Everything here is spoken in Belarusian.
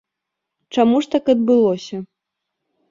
Чаму ж так адбылося?